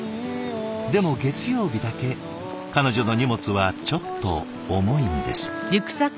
でも月曜日だけ彼女の荷物はちょっと重いんです。